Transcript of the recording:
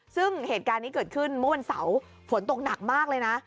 ซึ่งเหตุการณ์นี้เกิดขึ้นเมื่อวันเสาร์ฝนตกหนักมากเลยนะ